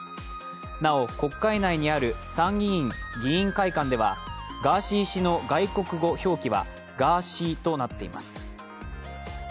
なお国会内にある参議院議員会館ではガーシー氏の外国語表記はＧａａＳｙｙとなっています。